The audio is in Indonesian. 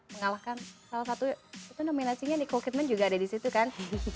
mengalahkan salah satu nominasi nicole kidman juga ada disitu kan